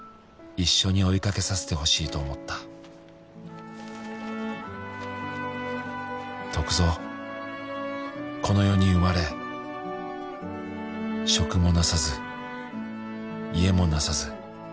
「一緒に追いかけさせてほしいと思った」「篤蔵この世に生まれ」「職もなさず家もなさず」